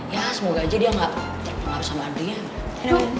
ya semoga aja dia gak terpengaruh sama adriana